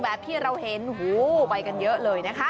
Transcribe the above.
แบบที่เราเห็นหูไปกันเยอะเลยนะคะ